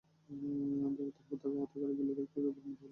এরপর তারা তাঁকে হত্যা করে বিলের একটি ডোবার মধ্যে লাশ ফেলে দেয়।